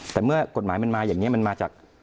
แต่เมื่อกฎหมายมันมาอย่างนี้มันมาจาก